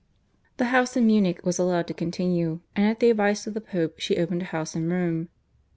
The house in Munich was allowed to continue, and at the advice of the Pope she opened a house in Rome.